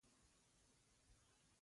پسه کله کله ناروغي خپروي.